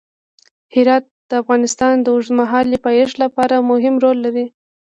هرات د افغانستان د اوږدمهاله پایښت لپاره مهم رول لري.